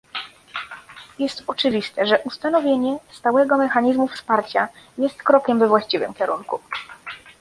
Jest oczywiste, że ustanowienie stałego mechanizmu wsparcia jest krokiem we właściwym kierunku